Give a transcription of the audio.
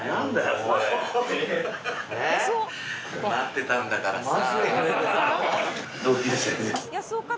待ってたんだからさ。